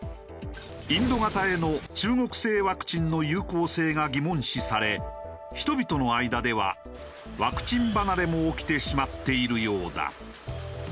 インド型への中国製ワクチンの有効性が疑問視され人々の間ではワクチン離れも起きてしまっているようだ。